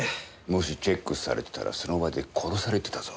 もしチェックされてたらその場で殺されてたぞ。